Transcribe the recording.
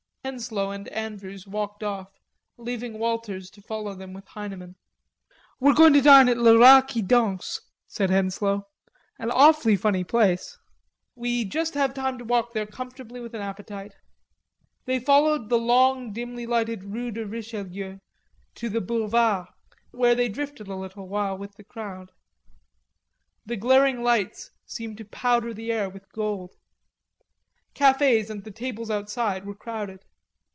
Henslowe and Andrews walked off, leaving Walters to follow them with Heineman. "We're going to dine at Le Rat qui Danse," said Henslowe, "an awfully funny place.... We just have time to walk there comfortably with an appetite." They followed the long dimly lighted Rue de Richelieu to the Boulevards, where they drifted a little while with the crowd. The glaring lights seemed to powder the air with gold. Cafes and the tables outside were crowded.